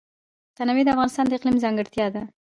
تنوع د افغانستان د اقلیم ځانګړتیا ده.